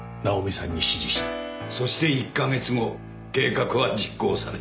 そして１か月後計画は実行された。